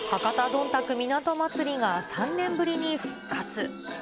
どんたく港まつりが３年ぶりに復活。